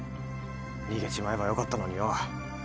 逃げちまえばよかったのによ。